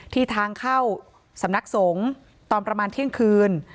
ทางเข้าสำนักสงฆ์ตอนประมาณเที่ยงคืน